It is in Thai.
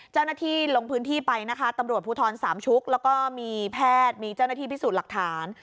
เจ้าหน้าที่ลงพื้นที่ไปนะคะตำรวจภูทรสามชุกแล้วก็มีแพทย์มีเจ้าหน้าที่พิสูจน์หลักฐาน